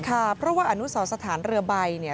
ค่ะเพราะว่าอนุสรสถานเรือใบเนี่ย